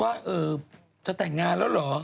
ว่าจะแต่งงานแล้วเหรอ